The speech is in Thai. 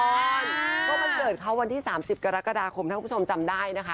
ก็วันเกิดเขาวันที่๓๐กรกฎาคมถ้าคุณผู้ชมจำได้นะคะ